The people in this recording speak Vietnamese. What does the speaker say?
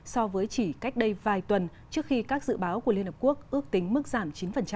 so với chỉ cách đây vài tuần trước khi các dự báo của liên hợp quốc ước tính mức giảm chín